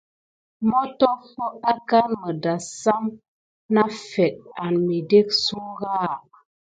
Motoffo akani midasame nafet an mikeka sura.